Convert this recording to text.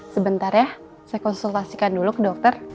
sebentar ya saya konsultasikan dulu ke dokter